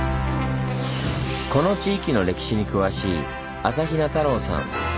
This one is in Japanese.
この地域の歴史に詳しい朝比奈太郎さん。